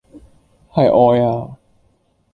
係愛呀！